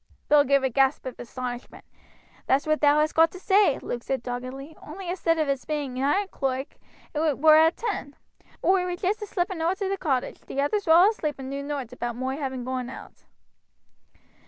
Bill gave a gasp of astonishment. "That's what thou hast got to say," Luke said doggedly; "only astead o' its being at noine o'clock it war at ten. Oi were just a slipping owt of the cottage, t' others were all asleep and knew nowt aboot moi having goone out."